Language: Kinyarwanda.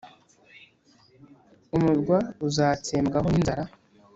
umurwa uzatsembwaho n ‘inzara.